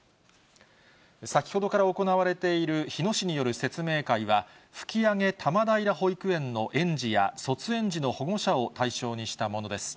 先ほどから行われている日野市による説明会は、吹上多摩平保育園の園児や卒園児の保護者を対象にしたものです。